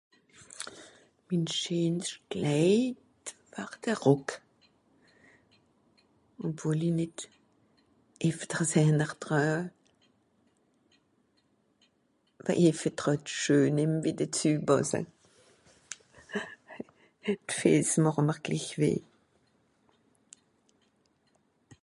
Minn scheenscht Klèid, (...) Rock. Obwol i nìt éfters (...) troe, waje i vertroe d'Schue nìmm, wie dezü pàsse. D'Fìes màche m'r glich weh.